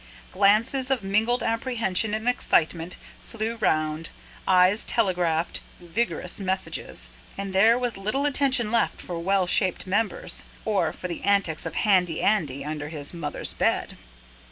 Glances of mingled apprehension and excitement flew round; eyes telegraphed [P.119] vigorous messages; and there was little attention left for well shaped members, or for the antics of Handy Andy under his mother's bed.